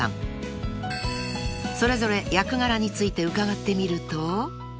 ［それぞれ役柄について伺ってみると］